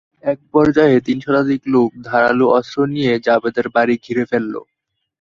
একপর্যায়ে তিন শতাধিক লোক ধারালো অস্ত্র নিয়ে জাবেদের বাড়ি ঘিরে ফেলেন।